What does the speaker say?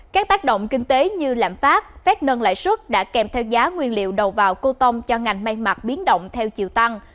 các tác động kinh tế như lạm phát phép nâng lãi suất đã kèm theo giá nguyên liệu đầu vào cô tông cho ngành may mặt biến động theo chiều tăng